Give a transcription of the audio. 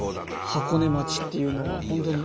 箱根町っていうのは本当に。